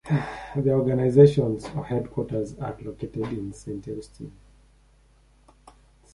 The organisation's headquarters are located in Saint Augustine.